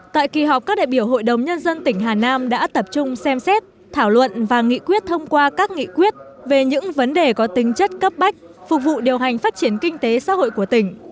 tại kỳ họp các đại biểu hội đồng nhân dân tỉnh hà nam đã tập trung xem xét thảo luận và nghị quyết thông qua các nghị quyết về những vấn đề có tính chất cấp bách phục vụ điều hành phát triển kinh tế xã hội của tỉnh